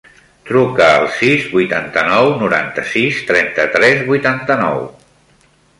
Truca al sis, vuitanta-nou, noranta-sis, trenta-tres, vuitanta-nou.